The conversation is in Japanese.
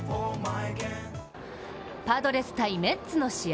パドレス×メッツの試合